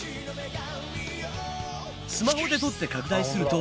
スマホで撮って拡大すると。